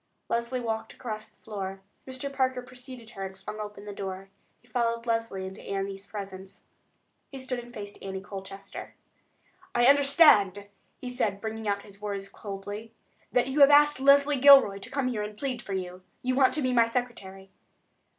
Leslie walked across the room. Mr. Parker preceded her and flung open the door. He followed Leslie into Annie's presence. He stood and faced Annie Colchester. "I understand," he said, bringing out his words coldly, "that you have asked Leslie Gilroy to come here and plead for you. You want to be my secretary?"